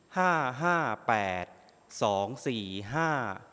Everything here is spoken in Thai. ห้าห้าแปดสองสี่ห้า